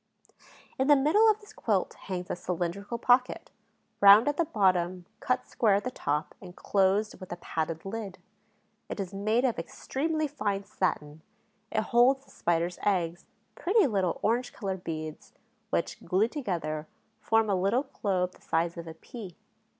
In the middle of this quilt hangs a cylindrical pocket, round at the bottom, cut square at the top and closed with a padded lid. It is made of extremely fine satin; it holds the Spider's eggs, pretty little orange colored beads, which, glued together, form a little globe the size of a pea.